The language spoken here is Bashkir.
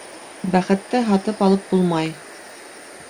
Бәхетте һатып алып булмай.